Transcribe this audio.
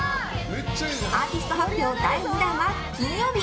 アーティスト発表第２弾は金曜日。